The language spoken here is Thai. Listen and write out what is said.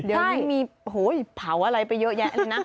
เดี๋ยวนี้มีเผาอะไรไปเยอะแยะเลยนะ